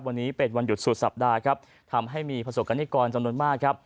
วันนี้เป็นวันหยุดสุดสัปดาห์ครับทำให้มีประสบกรณิกรจำนวนมากครับ